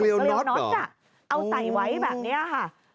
เดี๋ยวใส่ไว้แบบนี้ค่ะ